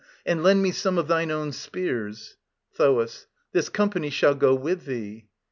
And lend me some of thine own spears. THOAS. This company shall go with thee.